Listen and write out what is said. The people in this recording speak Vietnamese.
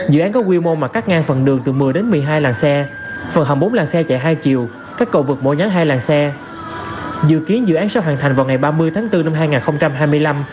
dự án sẽ hoàn thành vào ngày ba mươi tháng bốn năm hai nghìn hai mươi năm